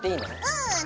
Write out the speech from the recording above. うん。